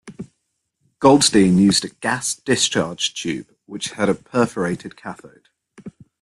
Goldstein used a gas discharge tube which had a perforated cathode.